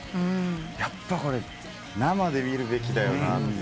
やっぱ生で見るべきだよなって。